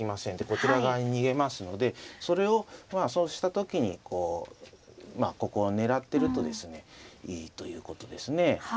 こちら側に逃げますのでそれをそうした時にこうここを狙ってるとですねいいということですね。